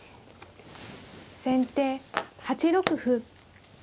先手８六歩。